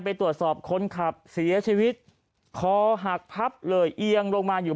ไปตรวจสอบคนขับเสียชีวิตคอหักพับเลยเอียงลงมาอยู่